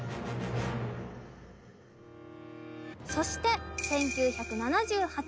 そして１９７８年。